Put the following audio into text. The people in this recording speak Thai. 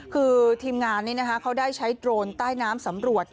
คือทีมงานเขาได้ใช้โดรนใต้น้ำสำรวจ